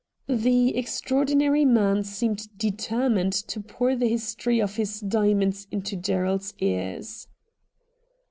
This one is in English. The extraordinary man seemed determined to pour the history of his diamonds into Gerald's ears.